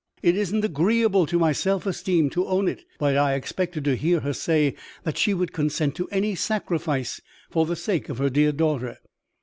It isn't agreeable to my self esteem to own it, but I expected to hear her say that she would consent to any sacrifice for the sake of her dear daughter.